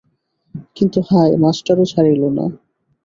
কিন্তু হায় মাস্টারও ছাড়িল না।